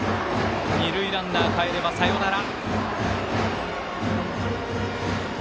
二塁ランナーかえればサヨナラ。